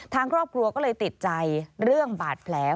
ทางครอบครัวก็เลยติดใจเรื่องบาดแผล